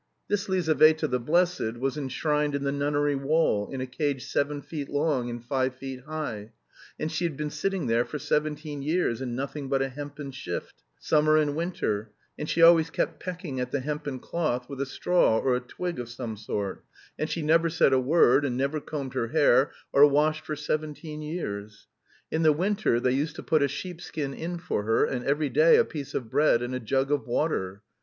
This Lizaveta the Blessed was enshrined in the nunnery wall, in a cage seven feet long and five feet high, and she had been sitting there for seventeen years in nothing but a hempen shift, summer and winter, and she always kept pecking at the hempen cloth with a straw or a twig of some sort, and she never said a word, and never combed her hair, or washed, for seventeen years. In the winter they used to put a sheepskin in for her, and every day a piece of bread and a jug of water.